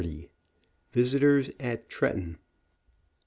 VISITORS AT TRETTON.